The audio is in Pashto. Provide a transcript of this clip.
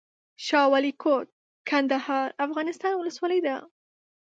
شاه ولي کوټ، کندهار افغانستان ولسوالۍ ده